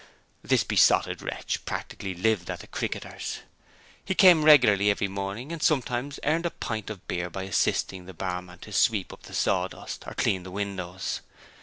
This besotted wretch practically lived at the 'Cricketers'. He came regularly very morning and sometimes earned a pint of beer by assisting the barman to sweep up the sawdust or clean the windows.